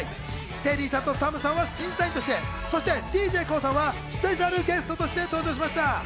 テリーさんとＳＡＭさんは審査員として、そしてＤＪＫＯＯさんはスペシャルゲストとして登場しました。